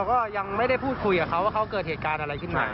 เนื่องจ่างบัตรแถวใหญ่ไม่ให้การอะไรเลยซักสนครึ่งไฟวนมา